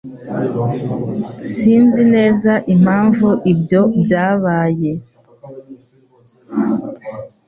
Sinzi neza impamvu ibyo byabaye.